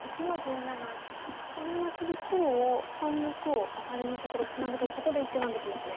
これは次白を３目をアタリのところツナぐとそこで１眼できますね。